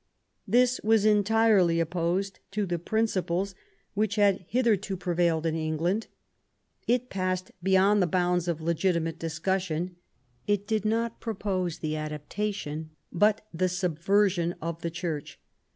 This was entirely opposed to the principles which had hitherto prevailed in England ; it passed beyond the bounds of legitimate discussion ; it did not propose the adaptation, but the subversion, of the Church.